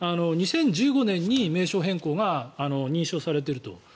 ２０１５年に名称変更が認証されていると。